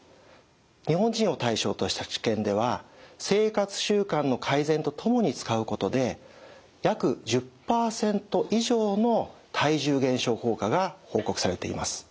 日本人を対象とした治験では生活習慣の改善と共に使うことで約１０％以上の体重減少効果が報告されています。